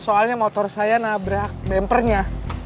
soalnya motor saya nabrak bumpernya